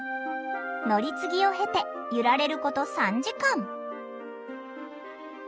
乗り継ぎを経て揺られること３時間。